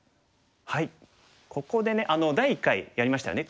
ここでね第１回やりましたよね